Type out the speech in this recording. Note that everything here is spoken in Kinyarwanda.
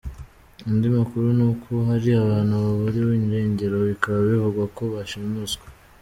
Andi makuru ni uko hari abantu baburiwe irengero, bikaba bivugwa ko bashimuswe.